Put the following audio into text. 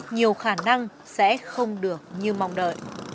nhiều khả năng sẽ không được như mong đợi